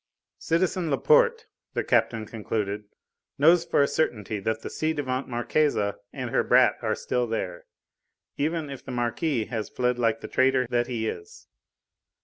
"Citizen Laporte," the captain concluded, "knows for a certainty that the ci devant Marquise and her brat are still there, even if the Marquis has fled like the traitor that he is.